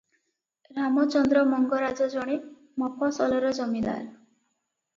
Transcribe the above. ରାମଚନ୍ଦ୍ର ମଙ୍ଗରାଜ ଜଣେ ମଫସଲର ଜମିଦାର ।